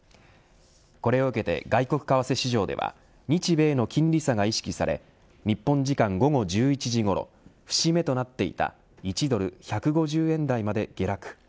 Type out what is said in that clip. これを受けて外国為替市場では日米の金利差が意識され日本時間午後１１時ごろ節目となっていた１ドル１５０円台まで下落。